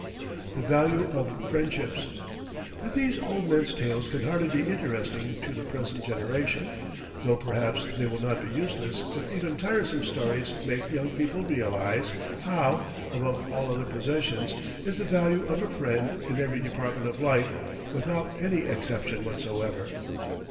THE VALUE OF FRIENDSHIPS But these old men's tales can hardly be interesting to the present generation, though perhaps they will not be useless if even tiresome stories make young people realize how, above all other possessions, is the value of a friend in every department of life without any exception whatsoever.